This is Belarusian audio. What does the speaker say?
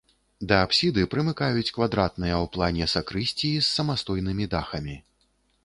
Да апсіды прымыкаюць квадратныя ў плане сакрысціі з самастойнымі дахамі.